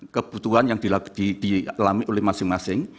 kebutuhan yang dilalui masing masing